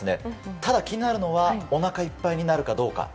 ただ、気になるのはおなかいっぱいになるかどうか。